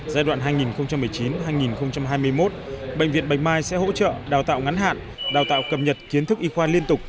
giai đoạn hai nghìn một mươi chín hai nghìn hai mươi một bệnh viện bạch mai sẽ hỗ trợ đào tạo ngắn hạn đào tạo cập nhật kiến thức y khoa liên tục